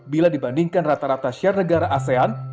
bila dibandingkan rata rata share negara asean